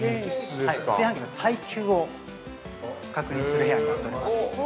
炊飯器の耐久を確認する部屋になっております。